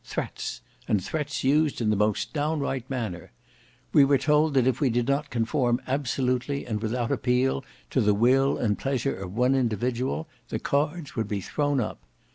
Threats; and threats used in the most downright manner. We were told that if we did not conform absolutely and without appeal to the will and pleasure of one individual, the cards would be thrown up.